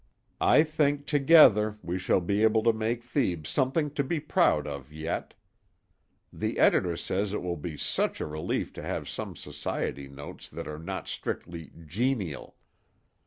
I think, together, we shall be able to make Thebes something to be proud of yet. The editor says it will be such a relief to have some society notes that are not strictly "genial."